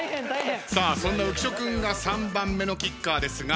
そんな浮所君が３番目のキッカーですが。